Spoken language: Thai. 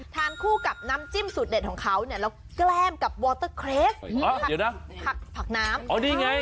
ทานคู่กับน้ำจิ้มสุดเด่นของเขาเนี่ย